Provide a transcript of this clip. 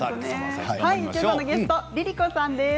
今日のゲストはＬｉＬｉＣｏさんです。